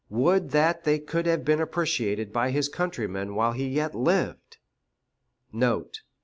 Would that they could have been appreciated by his countrymen while he yet lived! Note.